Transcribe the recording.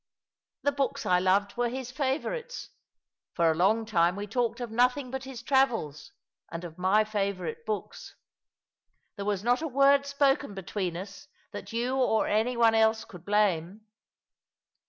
The books I loved were his favourites. For a long time we talked of nothing but his travels, and of my favourite books. There was not a word spoken between us that you or any one else could blame."